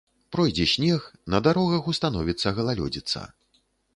Пройдзе снег, на дарогах установіцца галалёдзіца.